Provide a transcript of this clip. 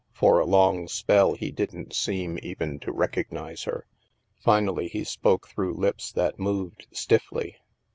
For a long spell, he didn't seem even to recognize her. Finally he spoke through lips that moved stiffly.